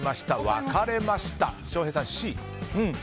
分かれました、翔平さんはＣ。